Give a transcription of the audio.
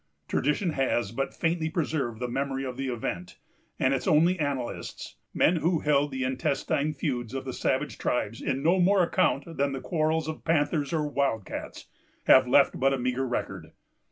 Tradition has but faintly preserved the memory of the event; and its only annalists, men who held the intestine feuds of the savage tribes in no more account than the quarrels of panthers or wildcats, have left but a meagre record.